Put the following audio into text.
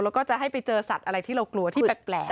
แล้วก็จะให้ไปเจอสัตว์อะไรที่เรากลัวที่แปลก